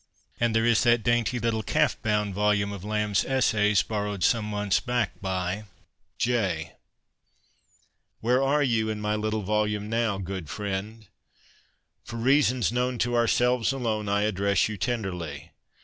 And there is that dainty little calf bound volume of Lamb's essays, borrowed some months back by J . Where are you and my little volume now, good friend ? For reasons known to ourselves alone I address you tenderly.